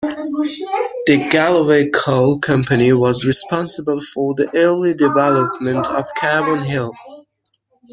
The Galloway Coal Company was responsible for the early development of Carbon Hill.